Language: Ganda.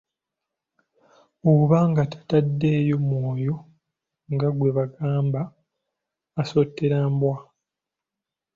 Oba nga tataddeyo mwoyo nga gwe bagamba asottera embwa!